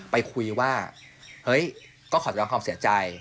ไปคุยว่าเฮ้ยก็ขอย้อนความเสียใจ